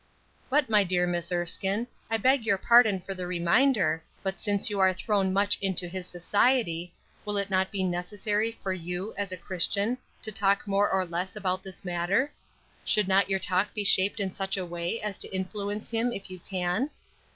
"But, my dear Miss Erskine, I beg your pardon for the reminder, but since you are thrown much into his society, will it not be necessary for you, as a Christian, to talk more or less about this matter? Should not your talk be shaped in such a way as to influence him if you can?"